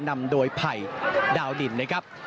นำโดยไผ่ดาวดินนะครับ